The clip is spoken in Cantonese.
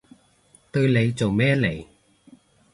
對你做咩嚟？